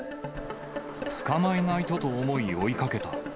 捕まえないとと思い、追いかけた。